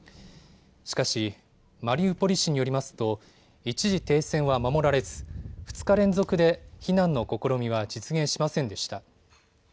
しかしマリウポリ市によりますと一時停戦は守られず、２日連続で避難の試みは実現しませんでした。